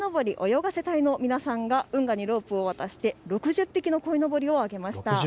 泳がせ隊の皆さんが運河にロープを渡して６０匹のこいのぼりをあげました。